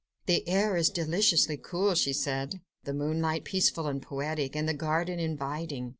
"The air is deliciously cool," she said, "the moonlight peaceful and poetic, and the garden inviting.